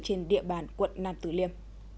trên địa bàn quận nam tử liêm